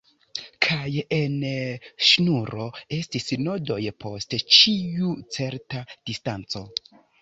Kaj en ŝnuro estis nodoj post ĉiu certa distanco.